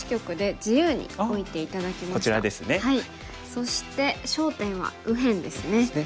そして焦点は右辺ですね。